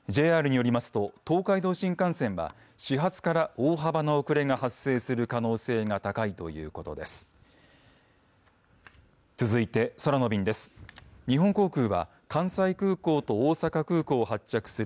ＪＲによりますと東海道新幹線は始発から大幅な遅れが発生する可能性が高いということです。